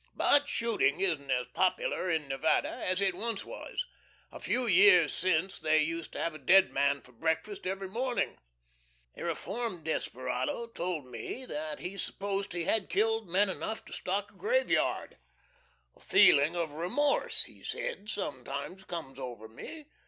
But shooting isn't as popular in Nevada as it once was. A few years since they used to have a dead man for breakfast every morning. A reformed desperado told my that he supposed he had killed men enough to stock a graveyard. "A feeling of remorse," he said, "sometimes comes over me!